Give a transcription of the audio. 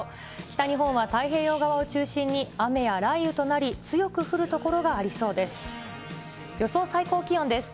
北日本は太平洋側を中心に雨や雷雨となり、強く降る所がありそうです。